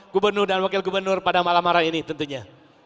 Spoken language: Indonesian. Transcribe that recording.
gubernur dan wakil gubernur pada malam hari ini tentunya